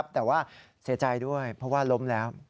แต่ว่าเสียใจด้วยเพราะว่าล้มแล้ว